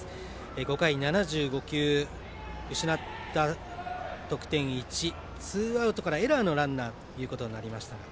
５回７５球、失った得点１ツーアウトからエラーのランナーということになりました。